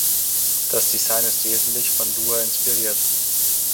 Das Design ist wesentlich von Lua inspiriert.